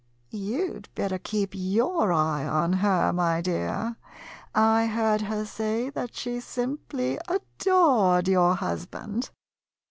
You 'd better keep your eye on her, my dear ; I heard her say that she simply adored your husband.